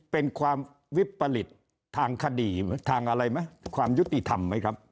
เป็นความวิปริตทางคดีทางอะไรไหมความยุติธรรมไหมครับ